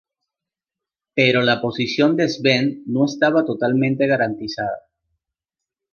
Pero la posición de Svend no estaba totalmente garantizada.